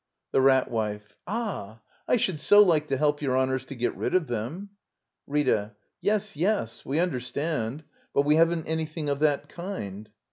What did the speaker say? The Rat Wife. Ah; I should so like to help your honors to get rid of them. Rita. Yes, yes; we understand. But wc haven't anything of that kind.